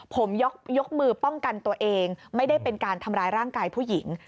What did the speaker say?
ผมยกมือป้องกันตัวเองไม่ได้เป็นการทำร้ายร่างกายผู้หญิง